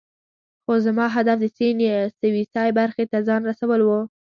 خو زما هدف د سیند سویسی برخې ته ځان رسول وو.